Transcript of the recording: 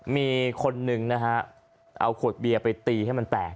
มีคนนึงนะฮะเอาขวดเบียร์ไปตีให้มันแตก